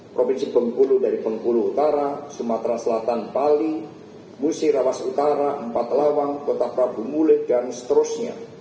provinsi bengkulu dari bengkulu utara sumatera selatan bali musirawas utara empat lawang kota prabu mulit dan seterusnya